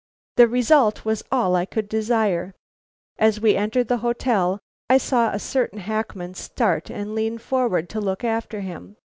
"The result was all I could desire. As we entered the hotel, I saw a certain hackman start and lean forward to look after him.